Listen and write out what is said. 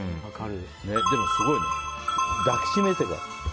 でもすごいね、抱きしめるって。